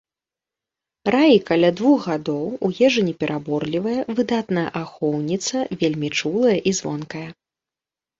Раі каля двух гадоў, у ежы не пераборлівая, выдатная ахоўніца, вельмі чулая і звонкая.